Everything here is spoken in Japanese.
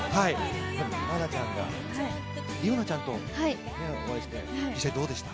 愛菜ちゃんが理央奈ちゃんとお会いして、実際どうでした？